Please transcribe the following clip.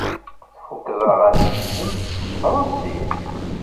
Tfuked aɣanen-nnem n tefṛensist?